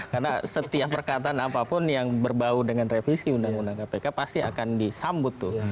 karena setiap perkataan apapun yang berbau dengan revisi undang undang kpk pasti akan disambut tuh